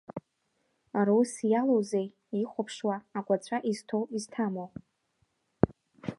Русс иалоузеи ихәаԥшуа агәаҵәа изҭоу изҭаму.